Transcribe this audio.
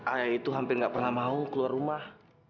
ayah itu hampir nggak pernah mau keluar rumah